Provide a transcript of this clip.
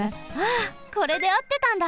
あこれであってたんだ！